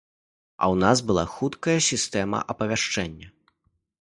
І ў нас была хуткая сістэма апавяшчэння.